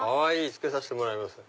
つけさせてもらいます。